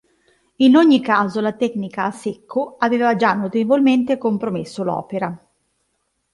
In ogni caso la tecnica a secco aveva già notevolmente compromesso l'opera.